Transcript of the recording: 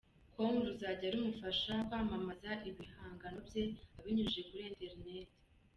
com, ruzajya rumufasha kwamamaza ibihangano bye abinyujije kuri Internet.